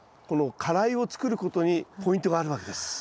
この花蕾を作ることにポイントがあるわけです。